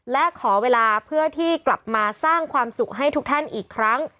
และขอเวลาเพื่อที่กลับมาสร้างความสุขให้ทุกท่านอีกครั้ง